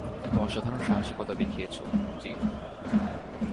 তুমি অসাধারণ সাহসিকতা দেখিয়েছো, জিন।